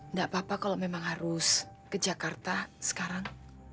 nggak papa kalau memang harus ke jakarta sekarang